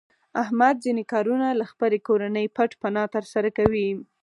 احمد ځنې کارونه له خپلې کورنۍ پټ پناه تر سره کوي.